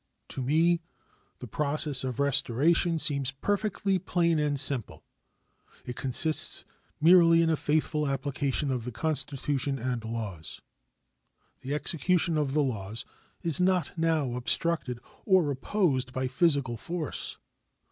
To me the process of restoration seems perfectly plain and simple. It consists merely in a faithful application of the Constitution and laws. The execution of the laws is not now obstructed or opposed by physical force.